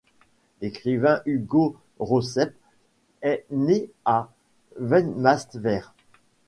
L'écrivain Hugo Raudsepp est né à Vaimastvere.